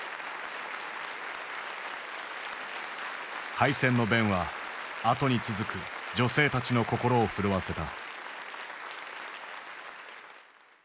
敗戦の弁は後に続く女性たちの心を震わせた。